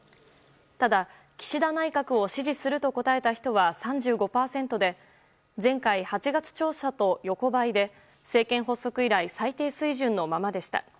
ただ、岸田内閣を支持すると答えた人は３５％で前回８月調査と横ばいで政権発足以来最低水準のままでした。